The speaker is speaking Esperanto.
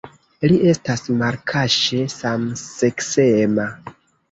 Li estas malkaŝe samseksema.